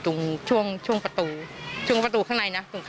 เธอขนลุกเลยนะคะเสียงอะไรอีกเสียงอะไรบางอย่างกับเธอแน่นอนค่ะ